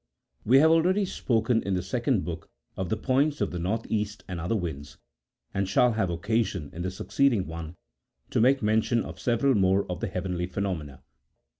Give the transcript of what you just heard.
(4.) We have already spoken, in the Second Book,27 of the points of the north east and other winds, and shall have occa sion in the succeeding one to make mention of several more of the heavenly phenomena.